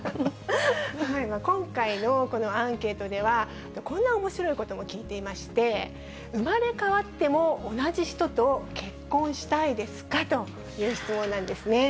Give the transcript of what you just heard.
今回のこのアンケートでは、こんなおもしろいことも聞いていまして、生まれ変わっても同じ人と結婚したいですか？という質問なんですね。